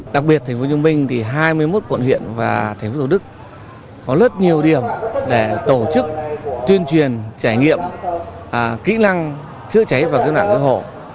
đặc biệt thành phố nhung minh thì hai mươi một quận huyện và thành phố đức có rất nhiều điểm để tổ chức tuyên truyền trải nghiệm kỹ năng chữa cháy và cứu nạn cư hổ